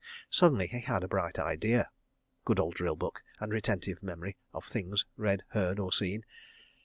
Suddenly he had a bright idea. (Good old drill book and retentive memory of things read, heard, or seen!)